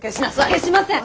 消しません。